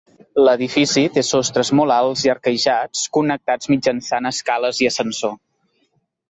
L'edifici té sostres molt alts i arquejats, connectats mitjançant escales i ascensor.